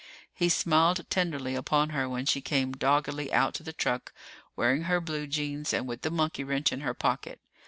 He smiled tenderly upon her when she came doggedly out to the truck, wearing her blue jeans and with the monkey wrench in her pocket.